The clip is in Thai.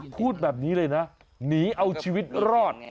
พูดแบบนี้เลยนะหนีเอาชีวิตรอด